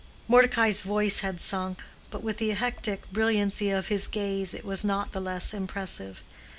Mordecai's voice had sunk, but with the hectic brilliancy of his gaze it was not the less impressive.